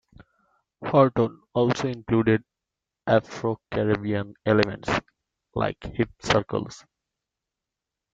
Horton also included Afro-Caribbean elements, like hip circles.